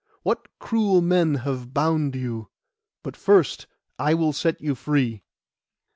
What cruel men have bound you? But first I will set you free.